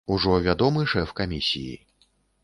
Ужо вядомы шэф камісіі.